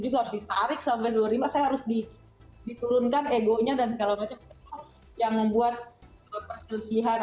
juga harus ditarik sampai dua puluh lima saya harus diturunkan egonya dan segala macam yang membuat perselisihan